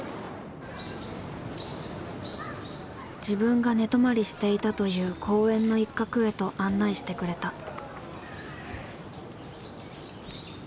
自分が寝泊まりしていたという公園の一角へと案内してくれた。